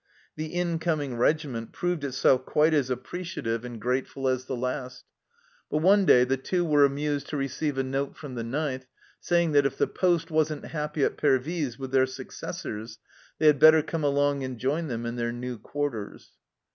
The incoming regiment proved itself quite as appreciative and 184 THE CELLAR HOUSE OF PERVYSE grateful as the last, but one day the Two were amused to receive a note from the 9th, saying that if the paste wasn't happy at Pervyse with their successors, they had better come along and join them in their new quarters